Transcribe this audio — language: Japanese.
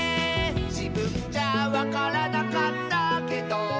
「じぶんじゃわからなかったけど」